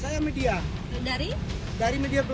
dari media global